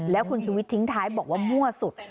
แล้วคุณชุวิตทิ้งท้ายบอกว่ามั่วสุด